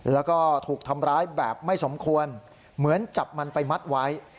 แล้วก็ถูกทำร้ายแบบไม่สมควรเหมือนจับมันไปมัดไว้